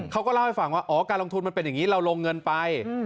เขาก็เล่าให้ฟังว่าอ๋อการลงทุนมันเป็นอย่างนี้เราลงเงินไป